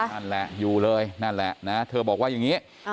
นั่นแหละอยู่เลยนั่นแหละนะเธอบอกว่าอย่างนี้